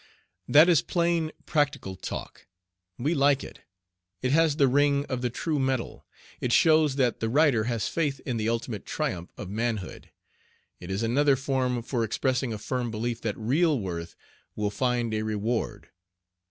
"That is plain, practical talk. We like it. It has the ring of the true metal. It shows that the writer has faith in the ultimate triumph of manhood. It is another form for expressing a firm belief that real worth will find a reward.